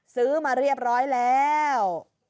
ซื้อมาเรียบร้อยแล้ว